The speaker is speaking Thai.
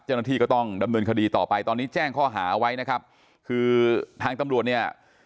เจ้าหน้าที่ก็ต้องดำเนินคดีต่อไปตอนนี้แจ้งข้อหาไว้นะครับคือทางตำรวจเนี่ย